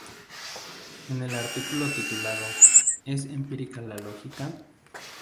En el artículo titulado ""¿Es empírica la lógica?